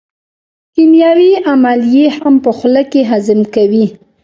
کیمیاوي عملیې هم په خوله کې هضم کوي.